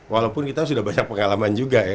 walaupun kita sudah banyak pengalaman juga ya